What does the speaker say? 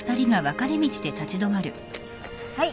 はい。